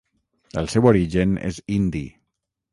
El seu origen és indi.